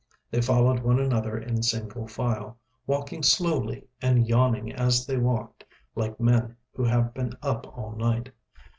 They followed one another in single file, walking slowly and yawning as they walked, like men who have been up all night.